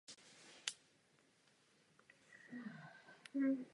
Jako prostředek zastrašování kartel vedl po celé zemi tisíce atentátů.